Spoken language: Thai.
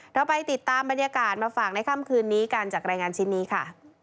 เราไปติดตามบรรยากาศมาฝากในค่ำคืนนี้กันจากรายงานชิ้นนี้ค่ะ